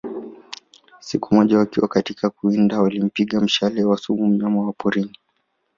Sik moja wakiwa katika kuwinda walimpiga mshale wa sumu mnyama wa porini